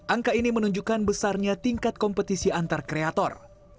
angka ini menunjukkan besarnya tingkat kompetisi antar kreator